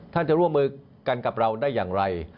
จะร่วมมือกันกับเราได้อย่างไร